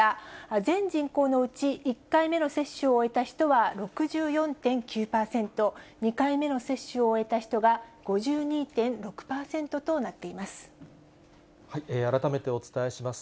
全人口のうち、１回目の接種を終えた人は６４．９％、２回目の接種を終えた人が５２．６％となっています。